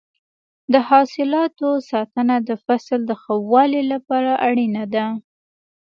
د حاصلاتو ساتنه د فصل د ښه والي لپاره اړینه ده.